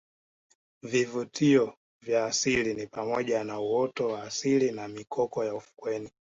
Vivutio vya asili ni pamoja na uoto wa asili na mikoko ya ufukweni